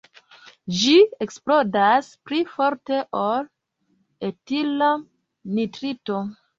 Ĝi eksplodas pli forte ol etila nitrito.